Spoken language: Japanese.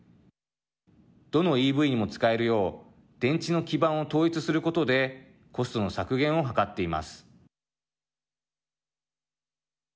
どのＥＶにも使えるよう電池の基盤を統一することでコストの削減を図っています。